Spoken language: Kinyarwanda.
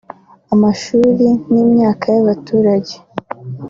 amashuri n’imyaka y’abaturage"